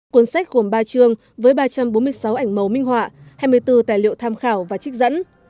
cuốn sách gồm ba trường với ba trăm bốn mươi sáu ảnh màu minh họa hai mươi bốn tài liệu tham khảo và trích dẫn